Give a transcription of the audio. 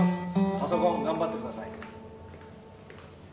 パソコン頑張ってください。